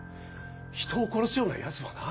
人を殺すようなやつはな